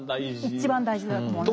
一番大事だと思います。